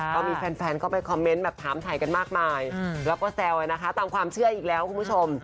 ก็มีแฟนเข้าไปคอมเมนต์แบบถามถ่ายกันมากมายแล้วก็แซวนะคะตามความเชื่ออีกแล้วคุณผู้ชม